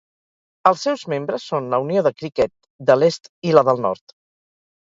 Els seus membres són la unió de criquet de l'est i la del nord.